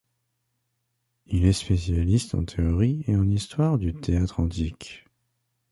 Il est spécialiste en théorie et en histoire du théâtre antique.